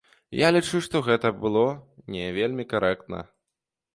Я лічу, што гэта было не вельмі карэктна.